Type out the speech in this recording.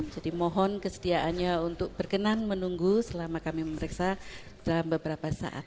jadi mohon kesediaannya untuk berkenan menunggu selama kami memeriksa dalam beberapa saat